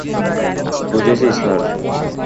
বুঝেছি, স্যার।